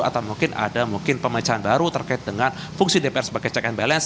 atau mungkin ada mungkin pemecahan baru terkait dengan fungsi dpr sebagai check and balance